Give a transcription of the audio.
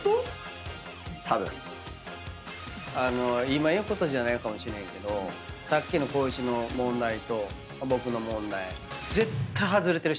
今言うことじゃないかもしれへんけどさっきの光一の問題と僕の問題。